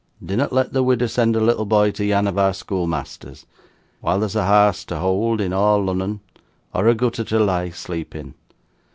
Dinnot let the weedur send her lattle boy to yan o' our school measthers, while there's a harse to hoold in a' Lunnun, or a gootther to lie asleep in.